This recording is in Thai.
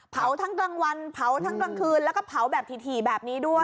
ทั้งกลางวันเผาทั้งกลางคืนแล้วก็เผาแบบถี่แบบนี้ด้วย